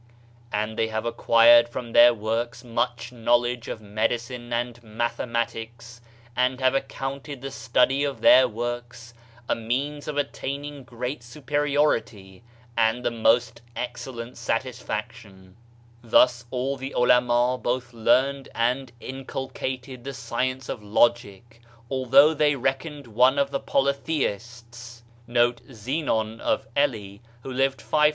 And they have acquired from their works much knowledge of medicine and mathematics and have accounted the study of their works a means of attaining great superiority and the most excellent satisfaction. Thus all the ulama both learned and incul cated the science of logic; although they reckoned one of the polytheists^ as its founder; it hath *A famous Hadeeth. Vide Matth. vt. 26: "Behold the birds of the hcaTcn